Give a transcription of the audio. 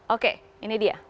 oke ini dia